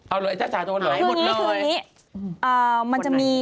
เอาเลยจ้าโดน